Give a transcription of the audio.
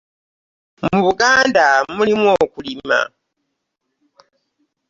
mu buganda mulimu okulima .